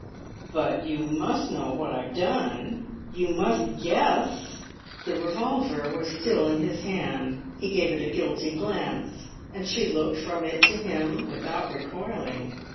"But you must know what I've done; you must guess?" The revolver was still in his hand; he gave it a guilty glance, and she looked from it to him without recoiling.